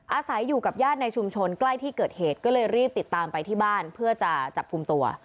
อาศัยอยู่กับญาติในชุมชนใกล้ที่เกิดเหตุก็เลยรีบติดตามไปที่บ้านเพื่อจะจับกลุ่มตัว